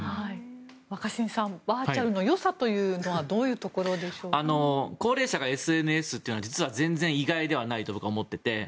若新さんバーチャルのよさというのは高齢者がＳＮＳというのは実は全然意外ではないと僕は思っていて